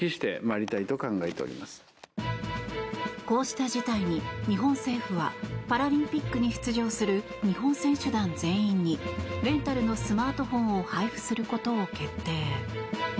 こうした事態に日本政府はパラリンピックに出場する日本選手団全員にレンタルのスマートフォンを配布することを決定。